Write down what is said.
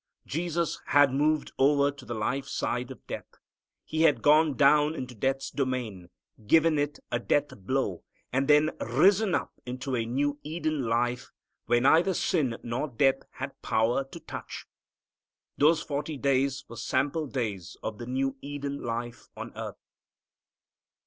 Jesus had moved over to the life side of death. He had gone down into death's domain, given it a death blow, and then risen up into a new Eden life, where neither sin nor death had power to touch. Those forty days were sample days of the new Eden life on earth.